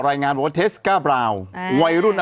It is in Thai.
รายงานบอกว่าเตสกาบราวไวรุ่นอเมริกัน